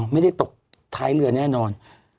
ไม่ได้ตกท้ายเรือแน่นอน